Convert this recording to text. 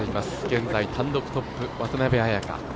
現在単独トップ渡邉彩香。